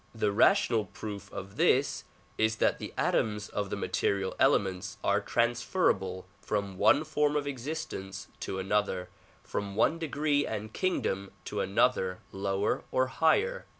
The rational proof of this is that the atoms of the material elements are transferable from one form of existence to another, from one degree and kingdom to another, lower or higher.